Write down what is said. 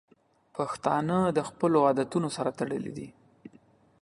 پښتانه د خپلو عادتونو سره تړلي دي.